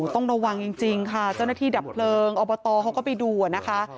ต้องระวังจริงค่ะเจ้าหน้าที่ดับเพลิงอบตเขาก็ไปดูนะคะ